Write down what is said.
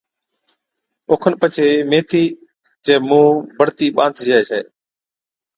اوکن پڇي ميٿي چَي مُونھ بڙتِي ٻانڌجَي ڇَي